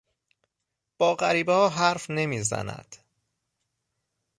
با غریبهها حرف نمیزند.